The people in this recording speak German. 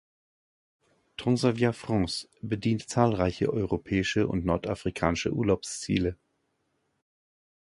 Transavia France bedient zahlreiche europäische und nordafrikanische Urlaubsziele.